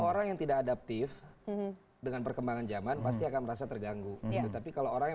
orang yang tidak adaptif dengan perkembangan zaman pasti akan merasa terganggu gitu tapi kalau orang yang